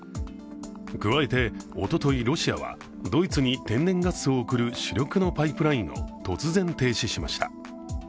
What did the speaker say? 加えておととい、ロシアはドイツに天然ガスを送る主力のパイプラインを突然停止しました。